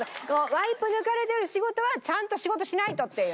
ワイプ抜かれてる仕事はちゃんと仕事しないとっていう。